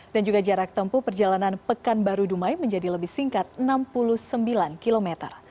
dan juga jarak tempuh perjalanan pekanbaru dumai menjadi lebih singkat enam puluh sembilan km